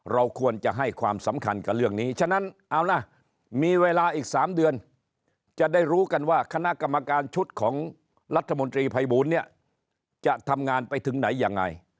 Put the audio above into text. เราควรจะให้ความสำคัญกับเรื่องนี้ฉะนั้นเอาล่ะมีเวลาอีก๓เดือน